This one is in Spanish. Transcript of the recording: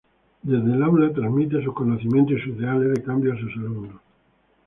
Desde el aula transmite sus conocimientos y sus ideales de cambio a sus alumnos.